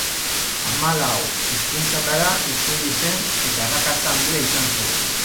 Hamalau hizkuntzatara itzuli zen eta arrakasta handia izan zuen.